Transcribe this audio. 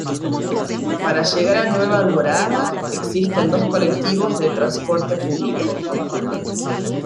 Para llegar a Nueva Alborada existen dos Colectivos de Transporte Público.